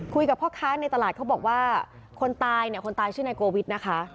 พ่อค้าในตลาดเขาบอกว่าคนตายเนี่ยคนตายชื่อนายโกวิทนะคะ